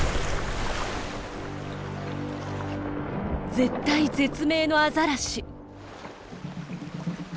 絶体絶命のアザラシ。